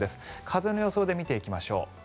風の予想で見ていきましょう。